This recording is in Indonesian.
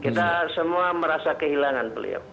kita semua merasa kehilangan beliau